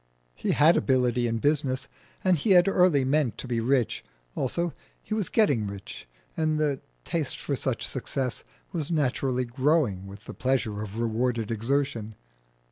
He had ability in business, and he had early meant to be rich; also, he was getting rich, and the taste for such success was naturally growing with the pleasure of rewarded exertion.